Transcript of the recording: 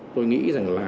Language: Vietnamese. tôi nghĩ rằng là